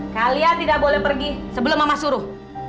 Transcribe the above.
kalian tidak boleh pergi sebelum mama suruh